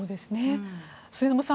末延さん